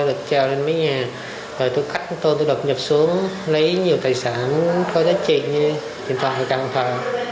tôi đặt trèo lên mấy nhà rồi tôi cắt tôi đập nhập xuống lấy nhiều tài sản có giá trị như tiệm thoại trạm thoại